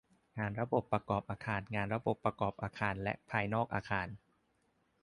งานระบบประกอบอาคารและงานระบบประกอบอาคารและภายนอกอาคาร